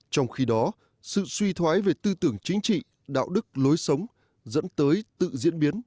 trong khi đó sự suy thoái về tư tưởng chính trị đạo đức lối sống dẫn tới tự diễn biến